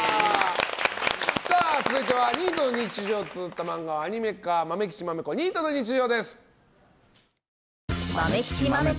続いてはニートの日常をつづった漫画をアニメ化「まめきちまめこニートの日常」です。